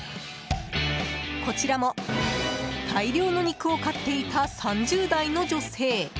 こちらも大量の肉を買っていた３０代の女性。